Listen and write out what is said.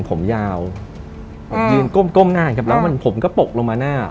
ผมน่าเสียแล้วผมก็ปกลงลงมาหน้า